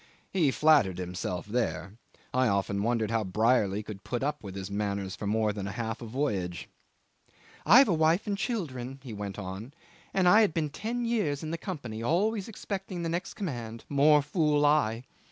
(He flattered himself there. I often wondered how Brierly could put up with his manners for more than half a voyage.) "I've a wife and children," he went on, "and I had been ten years in the Company, always expecting the next command more fool I.